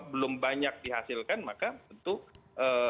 maka tentu apapun yang dihasilkan itu tidak akan bisa dihasilkan